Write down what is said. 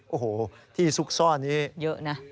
โอ้โหที่ซุกซ่อนนี้เยอะนะ